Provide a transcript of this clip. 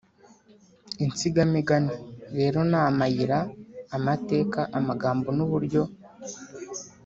– Insigamigani rero ni amayira, amateka, amagambo, n’uburyo